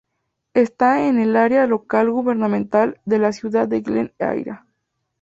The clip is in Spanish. Está en el Área Local Gubernamental de la Ciudad de Glen Eira.